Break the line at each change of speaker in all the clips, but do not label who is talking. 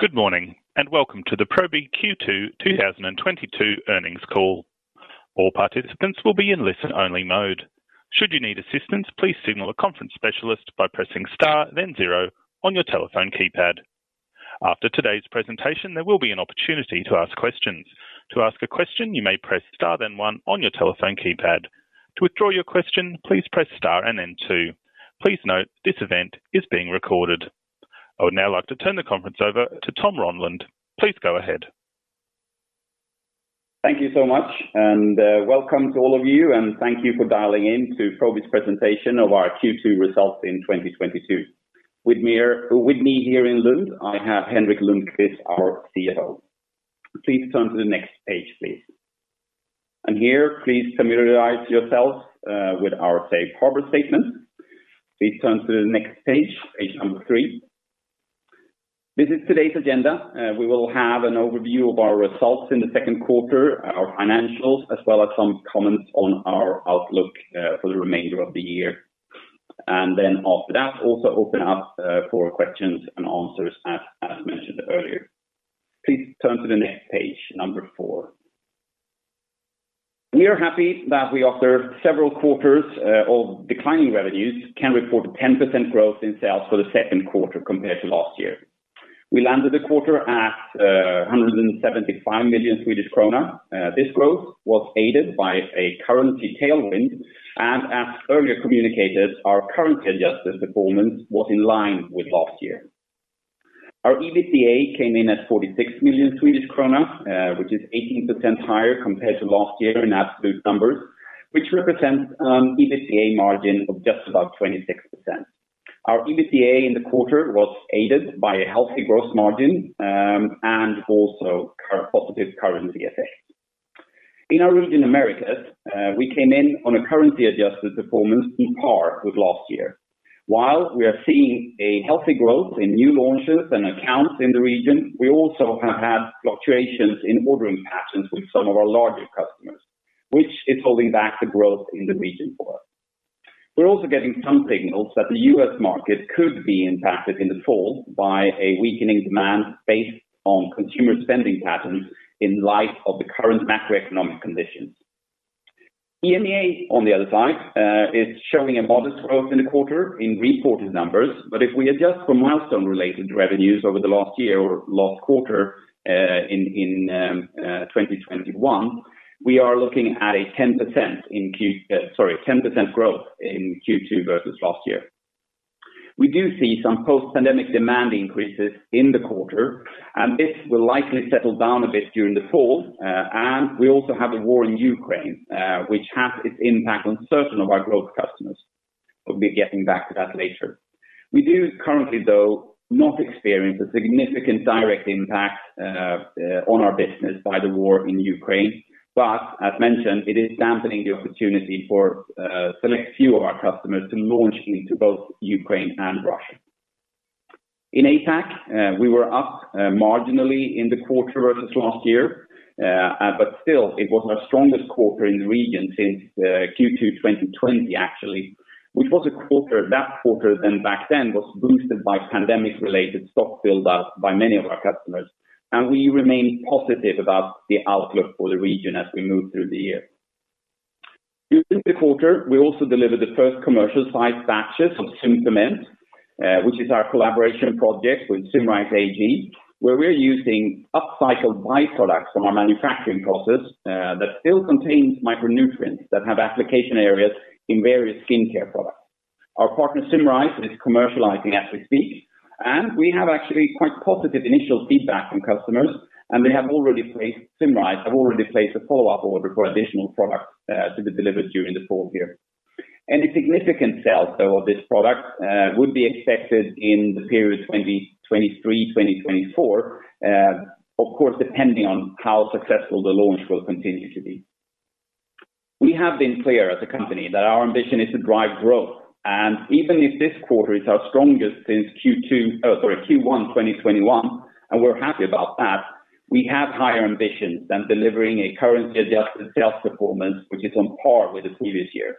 Good morning, and welcome to the Probi Q2 2022 Earnings Call. All participants will be in listen-only mode. Should you need assistance, please signal a conference specialist by pressing star, then zero on your telephone keypad. After today's presentation, there will be an opportunity to ask questions. To ask a question, you may press star, then one on your telephone keypad. To withdraw your question, please press star, and then two. Please note this event is being recorded. I would now like to turn the conference over to Tom Rönnlund. Please go ahead.
Thank you so much, and welcome to all of you, and thank you for dialing in to Probi's presentation of our Q2 results in 2022. With me here in Lund, I have Henrik Lundkvist, our CFO. Please turn to the next page. Here, please familiarize yourself with our safe harbor statement. Please turn to the next page number 3. This is today's agenda. We will have an overview of our results in the second quarter, our financials, as well as some comments on our outlook for the remainder of the year. After that, also open up for questions and answers as mentioned earlier. Please turn to the next page, number 4. We are happy that we after several quarters of declining revenues can report 10% growth in sales for the second quarter compared to last year. We landed the quarter at 175 million Swedish krona. This growth was aided by a currency tailwind, and as earlier communicated, our currency-adjusted performance was in line with last year. Our EBITDA came in at 46 million Swedish krona, which is 18% higher compared to last year in absolute numbers, which represents an EBITDA margin of just about 26%. Our EBITDA in the quarter was aided by a healthy gross margin, and also positive currency effect. In our Region Americas, we came in on a currency-adjusted performance on par with last year. While we are seeing a healthy growth in new launches and accounts in the region, we also have had fluctuations in ordering patterns with some of our larger customers, which is holding back the growth in the region for us. We're also getting some signals that the U.S. market could be impacted in the fall by a weakening demand based on consumer spending patterns in light of the current macroeconomic conditions. EMEA, on the other side, is showing a modest growth in the quarter in reported numbers. If we adjust for milestone-related revenues over the last year or last quarter, in 2021, we are looking at a 10% growth in Q2 versus last year. We do see some post-pandemic demand increases in the quarter, and this will likely settle down a bit during the fall. We also have a war in Ukraine, which has its impact on certain of our growth customers. We'll be getting back to that later. We do currently, though, not experience a significant direct impact on our business by the war in Ukraine. As mentioned, it is dampening the opportunity for a select few of our customers to launch into both Ukraine and Russia. In APAC, we were up marginally in the quarter versus last year. Still it was our strongest quarter in the region since Q2 2020 actually. That quarter then back then was boosted by pandemic related stock build-up by many of our customers, and we remain positive about the outlook for the region as we move through the year. During the quarter, we also delivered the first commercial-size batches of SymFerment, which is our collaboration project with Symrise AG, where we're using upcycled by-products from our manufacturing process, that still contains micronutrients that have application areas in various skincare products. Our partner, Symrise, is commercializing as we speak, and we have actually quite positive initial feedback from customers, and Symrise have already placed a follow-up order for additional products, to be delivered during the fall here. Any significant sales, though, of this product, would be expected in the period 2023, 2024, of course, depending on how successful the launch will continue to be. We have been clear as a company that our ambition is to drive growth, and even if this quarter is our strongest since Q1 2021, and we're happy about that, we have higher ambitions than delivering a currency-adjusted sales performance which is on par with the previous year.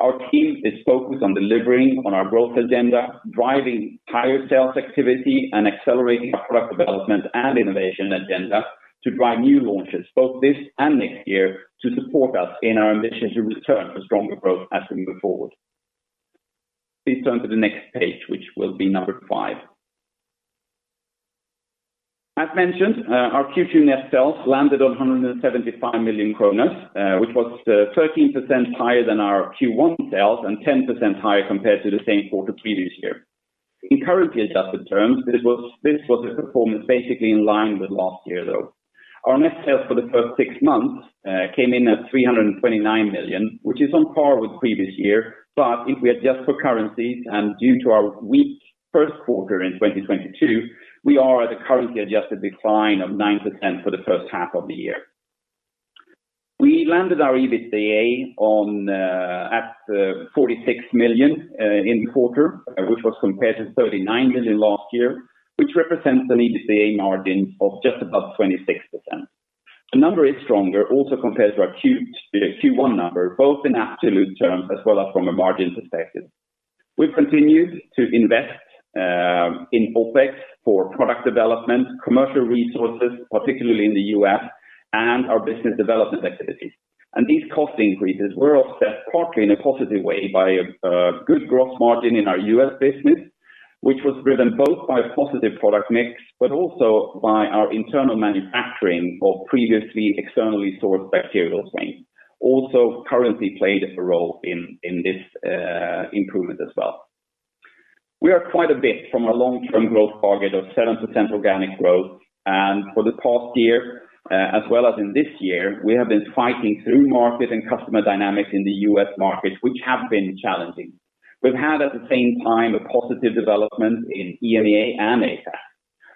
Our team is focused on delivering on our growth agenda, driving higher sales activity, and accelerating our product development and innovation agenda to drive new launches both this and next year to support us in our ambition to return a stronger growth as we move forward. Please turn to the next page, which will be page 5. As mentioned, our Q2 net sales landed on 175 million, which was 13% higher than our Q1 sales and 10% higher compared to the same quarter previous year. In currency-adjusted terms, this was a performance basically in line with last year, though. Our net sales for the first six months came in at 329 million, which is on par with previous year. If we adjust for currencies and due to our weak first quarter in 2022, we are at a currency-adjusted decline of 9% for the first half of the year. We landed our EBITDA at 46 million in the quarter, which was compared to 39 million last year, which represents an EBITDA margin of just above 26%. The number is stronger also compared to our Q1 number, both in absolute terms as well as from a margin perspective. We've continued to invest in OPEX for product development, commercial resources, particularly in the U.S., and our business development activities. These cost increases were offset partly in a positive way by a good gross margin in our U.S. business, which was driven both by positive product mix, but also by our internal manufacturing of previously externally sourced bacterial strains. Currency played a role in this improvement as well. We are quite a bit from our long-term growth target of 7% organic growth, and for the past year, as well as in this year, we have been fighting through market and customer dynamics in the U.S. market, which have been challenging. We've had, at the same time, a positive development in EMEA and APAC,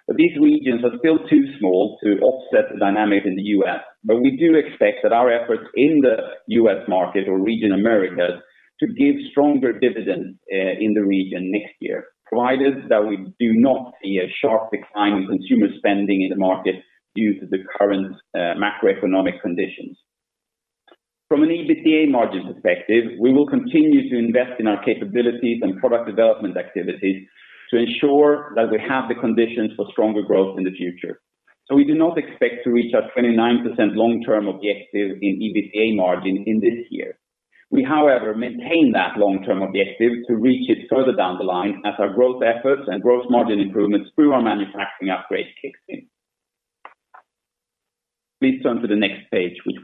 but these regions are still too small to offset the dynamic in the U.S. We do expect that our efforts in the U.S. market or Region Americas to give stronger dividends in the region next year, provided that we do not see a sharp decline in consumer spending in the market due to the current macroeconomic conditions. From an EBITDA margin perspective, we will continue to invest in our capabilities and product development activities to ensure that we have the conditions for stronger growth in the future. We do not expect to reach our 29% long-term objective in EBITDA margin in this year. We, however, maintain that long-term objective to reach it further down the line as our growth efforts and growth margin improvements through our manufacturing upgrade kicks in. Please turn to the next page, which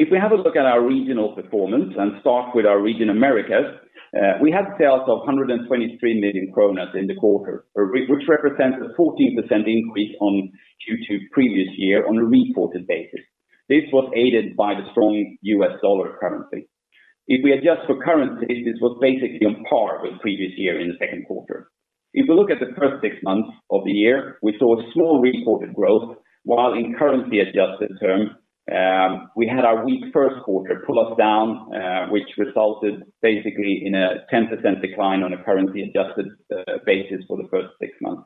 will be number 6. If we have a look at our regional performance and start with our Region Americas, we had sales of 123 million kronor in the quarter, which represents a 14% increase on Q2 previous year on a reported basis. This was aided by the strong US dollar currency. If we adjust for currency, this was basically on par with previous year in the second quarter. If we look at the first six months of the year, we saw a small reported growth while in currency-adjusted terms, we had our weak first quarter pull us down, which resulted basically in a 10% decline on a currency-adjusted basis for the first six months.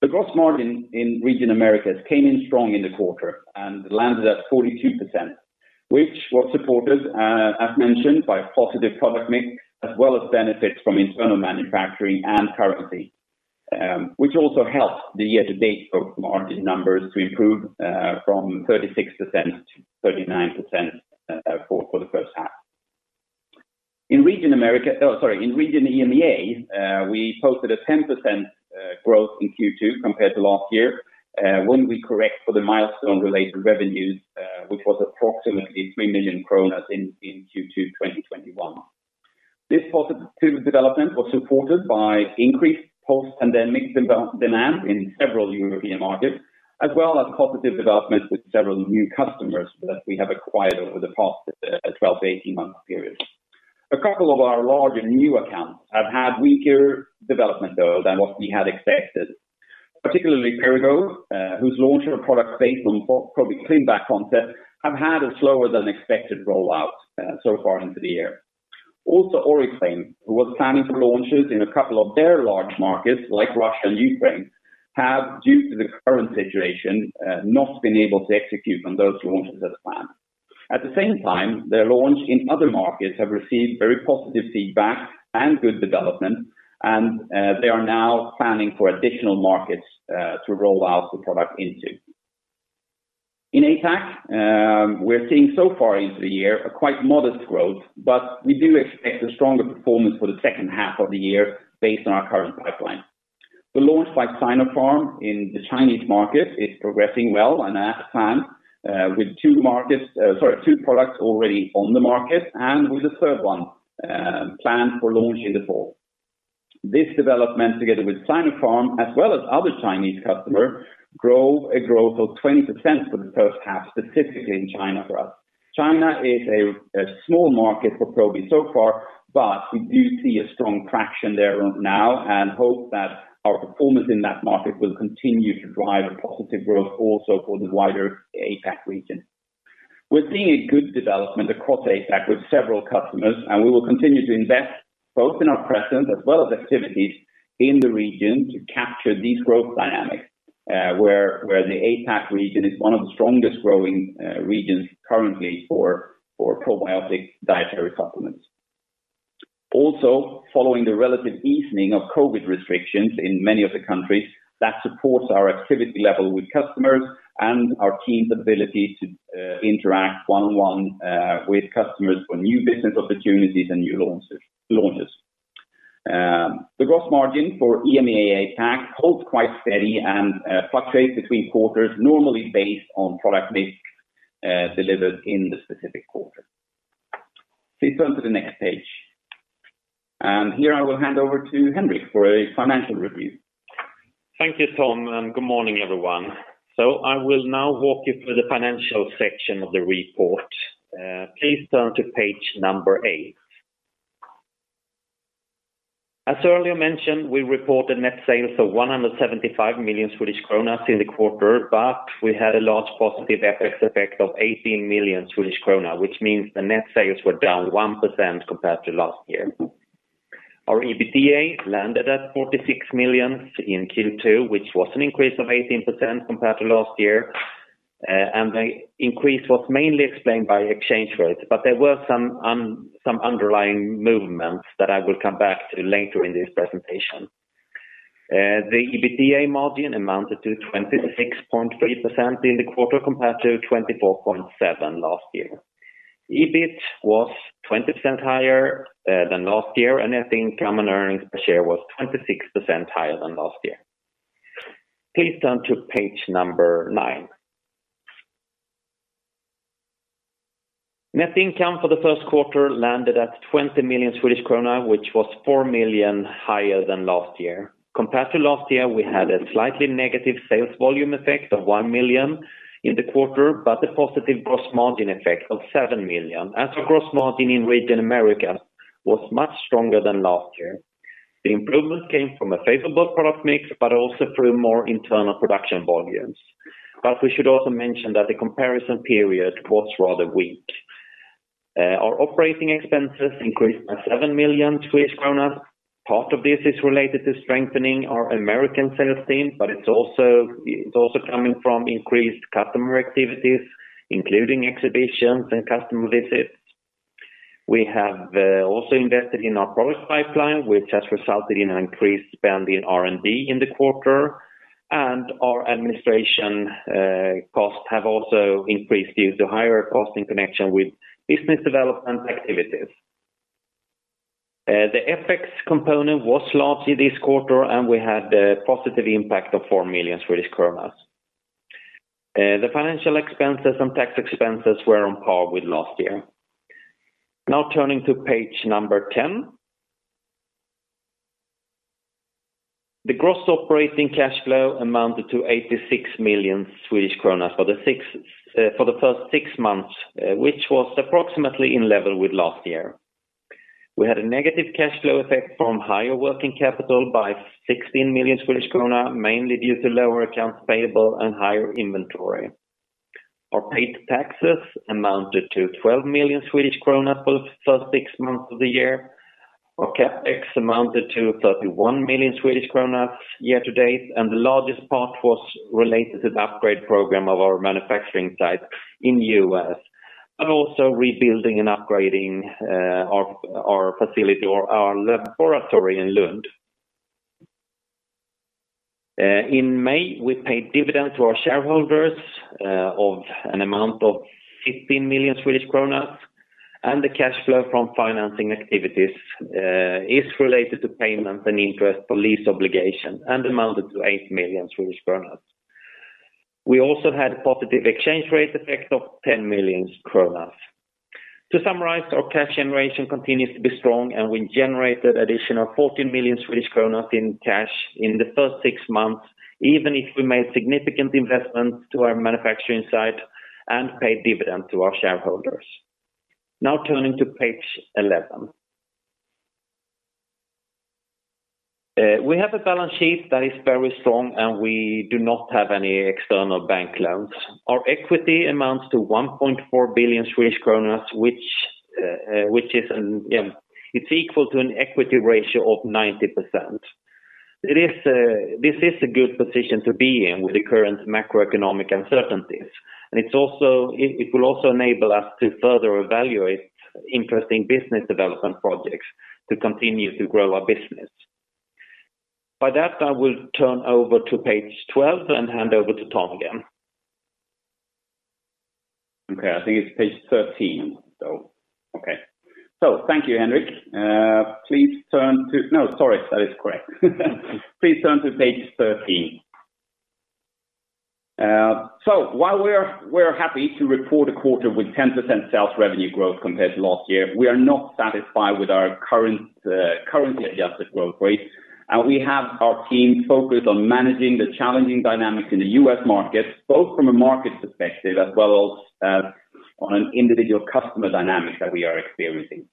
The gross margin in Region Americas came in strong in the quarter and landed at 42%, which was supported, as mentioned, by positive product mix as well as benefits from internal manufacturing and currency, which also helped the year-to-date gross margin numbers to improve, from 36% to 39%, for the first half. In Region America, oh, sorry, Region EMEA, we posted a 10% growth in Q2 compared to last year, when we correct for the milestone-related revenues, which was approximately 3 million kronor in Q2 2021. This positive development was supported by increased post-pandemic mixed demand in several European markets, as well as positive developments with several new customers that we have acquired over the past 12-18 month period. A couple of our larger new accounts have had weaker development though than what we had expected, particularly Perrigo, whose launch of a product based on Probi ClinBac Concept have had a slower than expected rollout, so far into the year. Also, Oryxane, who was planning for launches in a couple of their large markets like Russia and Ukraine, have, due to the current situation, not been able to execute on those launches as planned. At the same time, their launch in other markets have received very positive feedback and good development and, they are now planning for additional markets, to roll out the product into. In APAC, we're seeing so far into the year a quite modest growth, but we do expect a stronger performance for the second half of the year based on our current pipeline. The launch by Sinopharm in the Chinese market is progressing well and as planned, with 2 products already on the market and with a third one planned for launch in the fall. This development together with Sinopharm as well as other Chinese customers, a growth of 20% for the first half, specifically in China for us. China is a small market for Probi so far, but we do see a strong traction there, now and hope that our performance in that market will continue to drive a positive growth also for the wider APAC region. We're seeing a good development across APAC with several customers, and we will continue to invest both in our presence as well as activities in the region to capture these growth dynamics, where the APAC region is one of the strongest growing regions currently for probiotic dietary supplements. Also, following the relative easing of COVID restrictions in many of the countries, that supports our activity level with customers and our team's ability to interact one-on-one with customers for new business opportunities and new launches. The gross margin for EMEA APAC holds quite steady and fluctuates between quarters, normally based on product mix delivered in the specific quarter. Please turn to the next page. Here I will hand over to Henrik for a financial review.
Thank you, Tom, and good morning, everyone. I will now walk you through the financial section of the report. Please turn to page number eight. As earlier mentioned, we reported net sales of 175 million Swedish kronor in the quarter, but we had a large positive FX effect of 18 million Swedish krona, which means the net sales were down 1% compared to last year. Our EBITDA landed at 46 million in Q2, which was an increase of 18% compared to last year. The increase was mainly explained by exchange rates, but there were some underlying movements that I will come back to later in this presentation. The EBITDA margin amounted to 26.3% in the quarter compared to 24.7% last year. EBIT was 20% higher than last year, and I think Common Earnings Per Share was 26% higher than last year. Please turn to page 9. Net income for the first quarter landed at 20 million Swedish krona, which was 4 million higher than last year. Compared to last year, we had a slightly negative sales volume effect of 1 million in the quarter, but a positive gross margin effect of 7 million, as our gross margin in Region America was much stronger than last year. The improvement came from a favorable product mix, but also through more internal production volumes. We should also mention that the comparison period was rather weak. Our operating expenses increased by 7 million kronor. Part of this is related to strengthening our American sales team, but it's also coming from increased customer activities, including exhibitions and customer visits. We have also invested in our product pipeline, which has resulted in increased spending R&D in the quarter, and our administration costs have also increased due to higher cost in connection with business development activities. The FX component was large this quarter, and we had a positive impact of 4 million Swedish kronor. The financial expenses and tax expenses were on par with last year. Now turning to page 10. The gross operating cash flow amounted to 86 million Swedish kronor for the first six months, which was approximately in line with last year. We had a negative cash flow effect from higher working capital by 16 million Swedish krona, mainly due to lower accounts payable and higher inventory. Our paid taxes amounted to 12 million Swedish kronor for the first six months of the year. Our CapEx amounted to 31 million Swedish kronor year to date, and the largest part was related to the upgrade program of our manufacturing site in U.S., but also rebuilding and upgrading our facility or our laboratory in Lund. In May, we paid dividends to our shareholders of an amount of 15 million Swedish kronor, and the cash flow from financing activities is related to payment and interest for lease obligation and amounted to 8 million Swedish kronor. We also had positive exchange rate effect of 10 million kronor. To summarize, our cash generation continues to be strong, and we generated additional 14 million in cash in the first six months, even if we made significant investments to our manufacturing site and paid dividends to our shareholders. Now turning to page 11. We have a balance sheet that is very strong, and we do not have any external bank loans. Our equity amounts to 1.4 billion Swedish kronor, which is equal to an equity ratio of 90%. This is a good position to be in with the current macroeconomic uncertainties. It will also enable us to further evaluate interesting business development projects to continue to grow our business. By that, I will turn over to page 12 and hand over to Tom again.
Thank you, Henrik. Please turn to page 13. While we're happy to report a quarter with 10% sales revenue growth compared to last year, we are not satisfied with our current currency-adjusted growth rate. We have our team focused on managing the challenging dynamics in the U.S. market, both from a market perspective as well as on an individual customer dynamic that we are experiencing,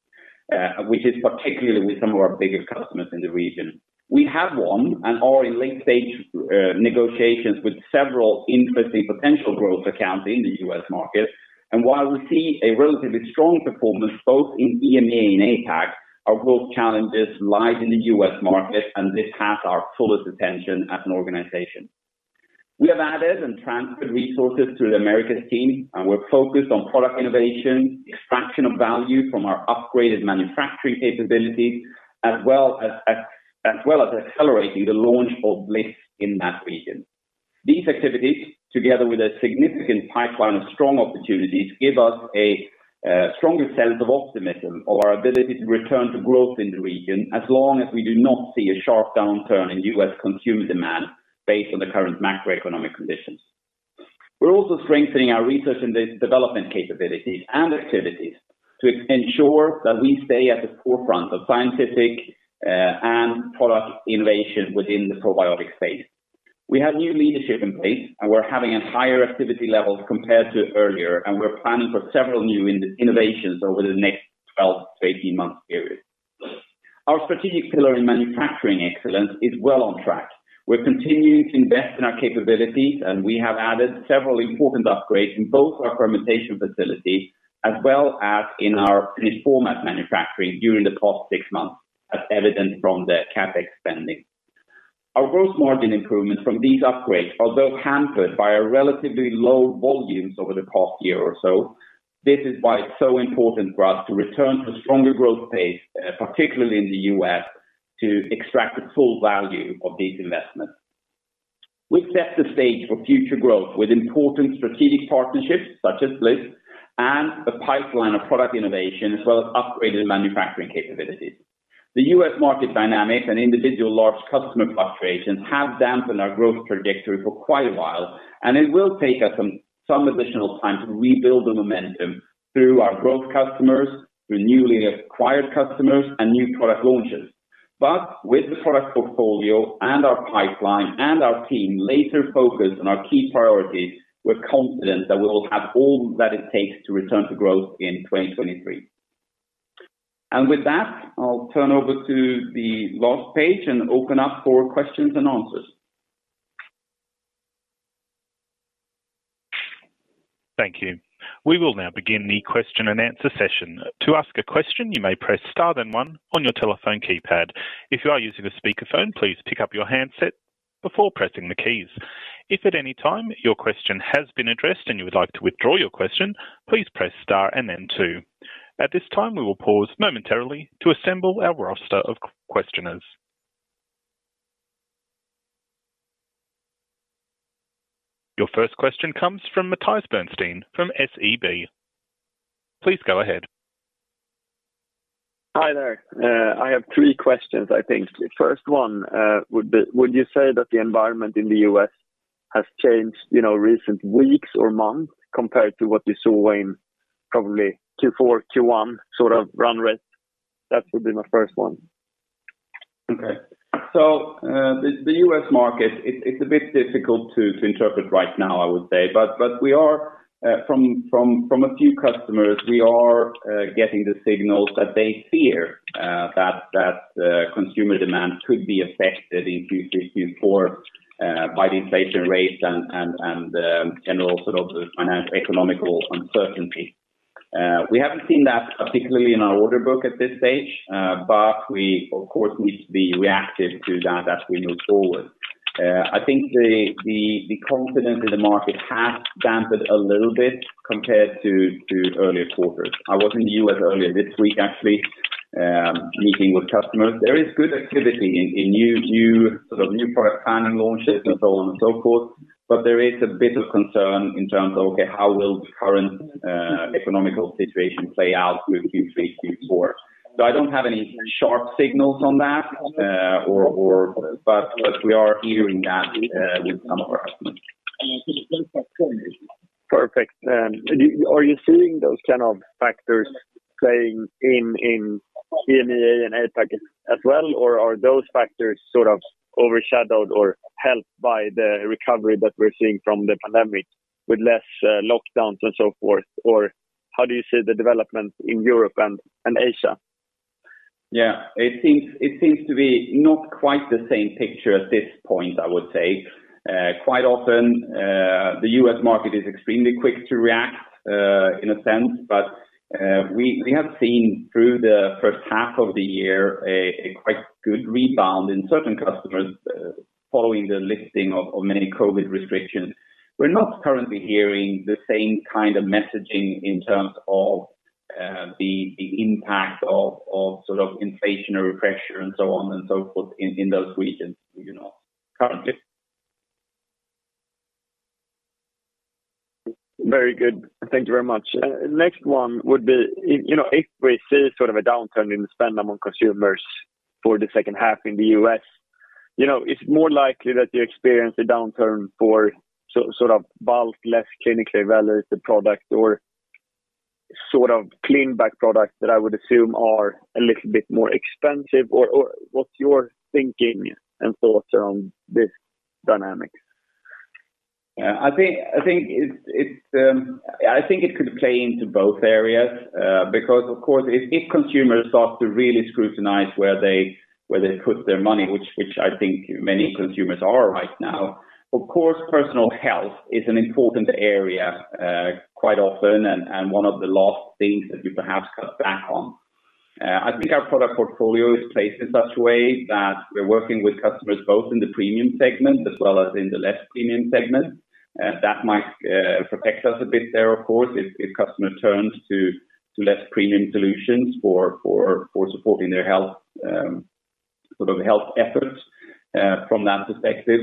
which is particularly with some of our bigger customers in the region. We have won and are in late stage negotiations with several interesting potential growth accounts in the U.S. market. While we see a relatively strong performance both in EMEA and APAC, our growth challenges lie in the U.S. market, and this has our fullest attention as an organization. We have added and transferred resources to the Americas team, and we're focused on product innovation, extraction of value from our upgraded manufacturing capabilities, as well as accelerating the launch of BLIS in that region. These activities, together with a significant pipeline of strong opportunities, give us a stronger sense of optimism of our ability to return to growth in the region as long as we do not see a sharp downturn in U.S. consumer demand based on the current macroeconomic conditions. We're also strengthening our research and development capabilities and activities to ensure that we stay at the forefront of scientific, and product innovation within the probiotic space. We have new leadership in place, and we're having a higher activity level compared to earlier, and we're planning for several new innovations over the next 12-18 months period. Our strategic pillar in manufacturing excellence is well on track. We're continuing to invest in our capabilities, and we have added several important upgrades in both our fermentation facility as well as in our finished format manufacturing during the past 6 months, as evident from the CapEx spending. Our gross margin improvements from these upgrades, although hampered by our relatively low volumes over the past year or so. This is why it's so important for us to return to stronger growth pace, particularly in the U.S., to extract the full value of these investments. We've set the stage for future growth with important strategic partnerships such as BLIS and the pipeline of product innovation, as well as upgraded manufacturing capabilities. The U.S. market dynamics and individual large customer fluctuations have dampened our growth trajectory for quite a while, and it will take us some additional time to rebuild the momentum through our growth customers, through newly acquired customers and new product launches. With the product portfolio and our pipeline and our team laser-focused on our key priorities, we're confident that we will have all that it takes to return to growth in 2023. With that, I'll turn over to the last page and open up for questions and answers.
Thank you. We will now begin the question and answer session. To ask a question, you may press star then one on your telephone keypad. If you are using a speaker phone, please pick up your handset before pressing the keys. If at any time your question has been addressed and you would like to withdraw your question, please press star and then two. At this time, we will pause momentarily to assemble our roster of questioners. Your first question comes from Mattias Bernhardsson from SEB. Please go ahead.
Hi there. I have three questions, I think. The first one, would be, would you say that the environment in the U.S. has changed, you know, recent weeks or months compared to what you saw in probably Q4, Q1 sort of run rate? That would be my first one.
Okay. The U.S. market, it's a bit difficult to interpret right now, I would say. We are getting the signals from a few customers that they fear that consumer demand could be affected in Q3, Q4 by the inflation rates and general sort of financial, economic uncertainty. We haven't seen that particularly in our order book at this stage, but we of course need to be reactive to that as we move forward. I think the confidence in the market has dampened a little bit compared to earlier quarters. I was in the U.S. earlier this week actually, meeting with customers. There is good activity in new sort of new product planning launches and so on and so forth, but there is a bit of concern in terms of, okay, how will the current economic situation play out with Q3, Q4. I don't have any sharp signals on that. We are hearing that with some of our customers.
Perfect. Are you seeing those kind of factors playing in EMEA and APAC as well, or are those factors sort of overshadowed or helped by the recovery that we're seeing from the pandemic with less, lockdowns and so forth? Or how do you see the development in Europe and Asia?
Yeah. It seems to be not quite the same picture at this point, I would say. Quite often, the U.S. market is extremely quick to react in a sense, but we have seen through the first half of the year a quite good rebound in certain customers following the lifting of many COVID restrictions. We're not currently hearing the same kind of messaging in terms of the impact of sort of inflationary pressure and so on and so forth in those regions, you know, currently.
Very good. Thank you very much. Next one would be, you know, if we see sort of a downturn in the spend among consumers for the second half in the U.S., you know, it's more likely that you experience a downturn for sort of bulk, less clinically relevant products or sort of clinically backed products that I would assume are a little bit more expensive or, what's your thinking and thoughts around this dynamic?
I think it's I think it could play into both areas, because of course if consumers start to really scrutinize where they put their money, which I think many consumers are right now, of course personal health is an important area, quite often and one of the last things that we perhaps cut back on. I think our product portfolio is placed in such a way that we're working with customers both in the premium segment as well as in the less premium segment. That might protect us a bit there of course, if customer turns to less premium solutions for supporting their health, sort of health efforts, from that perspective.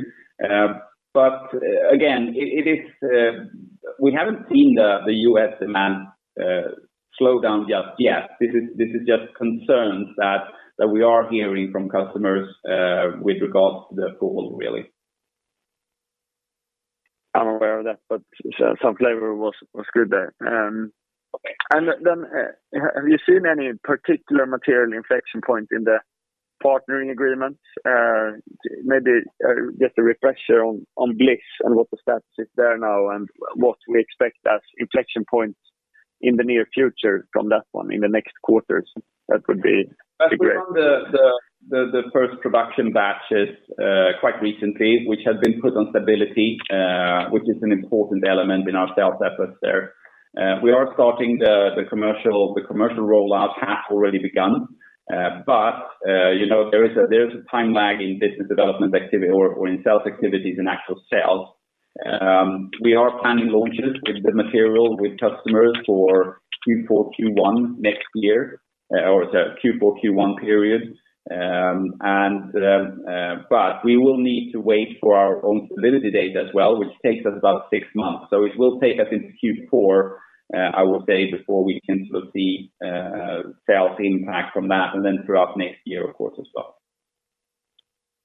Again, it is we haven't seen the U.S. demand slow down just yet. This is just concerns that we are hearing from customers with regards to the fall really.
I'm aware of that, but some flavor was good there.
Okay.
Have you seen any particular material inflection point in the partnering agreements? Maybe just a refresher on BLIS and what the status is there now and what we expect as inflection points in the near future from that one in the next quarters. That would be great.
As we run the first production batches quite recently, which have been put on stability, which is an important element in our sales efforts there. We are starting the commercial rollout has already begun. You know, there is a time lag in business development activity or in sales activities and actual sales. We are planning launches with the material with customers for Q4, Q1 next year, or sorry, Q4, Q1 period. We will need to wait for our own stability data as well, which takes us about six months. It will take us into Q4, I would say, before we can sort of see sales impact from that and then throughout next year, of course, as well.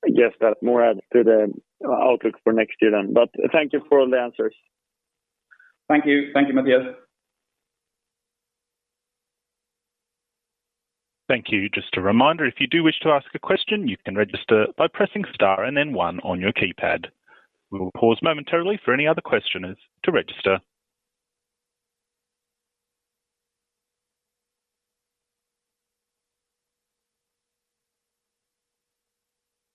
I guess that more adds to the outlook for next year then. Thank you for all the answers.
Thank you. Thank you, Mattias.
Thank you. Just a reminder, if you do wish to ask a question, you can register by pressing star and then one on your keypad. We will pause momentarily for any other questioners to register.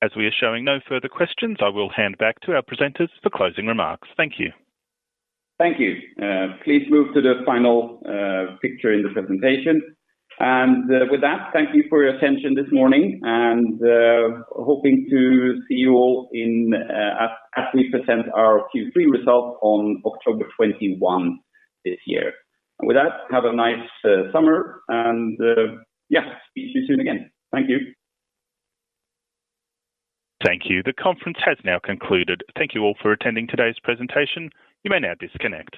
As we are showing no further questions, I will hand back to our presenters for closing remarks. Thank you.
Thank you. Please move to the final picture in the presentation. With that, thank you for your attention this morning and hoping to see you all in as we present our Q3 results on October 21 this year. With that, have a nice summer and yeah, speak to you soon again. Thank you.
Thank you. The conference has now concluded. Thank you all for attending today's presentation. You may now disconnect.